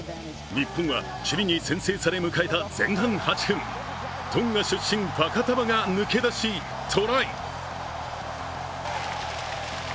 日本はチリに先制され迎えた前半８分、トンガ出身・ファカタヴァが抜け出し、トライ。